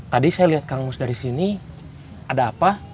tadi saya lihat kang mus dari sini ada apa